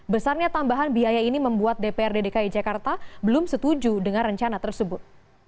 besarnya tambahan biaya ini membuat dprd dki jakarta belum setuju dengan rencana tersebut